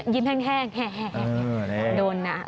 ยิ้มแห้งโดนนะ